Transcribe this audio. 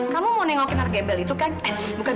kamu mau nengokin harga emel itu kan